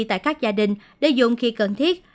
tại các gia đình để dùng khi cần thiết